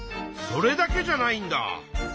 それだけじゃないんだ。